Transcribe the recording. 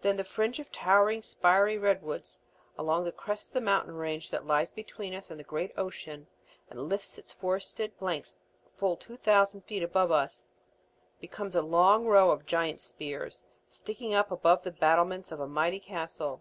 Then the fringe of towering spiry redwoods along the crest of the mountain range that lies between us and the great ocean and lifts its forested flanks full two thousand feet above us, becomes a long row of giants' spears sticking up above the battlements of a mighty castle.